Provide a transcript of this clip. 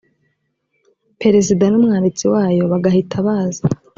perezida n’umwanditsi wayo bagahita baza